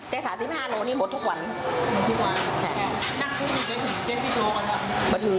แต่๓๕กิโลเมตรนี้หมดทุกวันหมดทุกวัน